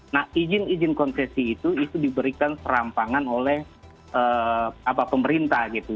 nah izin izin konsesi itu itu diberikan serampangan oleh pemerintah gitu